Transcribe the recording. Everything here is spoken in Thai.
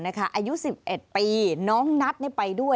อายุ๑๑ปีน้องนัทไปด้วย